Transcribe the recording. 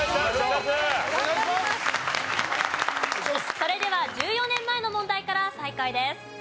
それでは１４年前の問題から再開です。